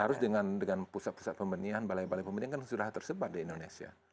harus dengan pusat pusat pembenihan balai balai pembenihan kan sudah tersebar di indonesia